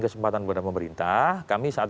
kesempatan kepada pemerintah kami saat